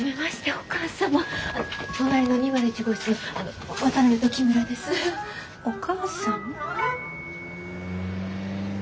お母さん？